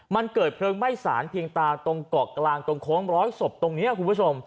มันเกิดเพลิงไหม้สารเพียงตาตรงเกาะกลางตรงโค้งร้อยศพตรงนี้คุณผู้ชม